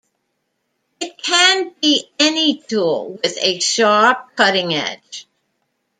It can be any tool with a sharp cutting edge.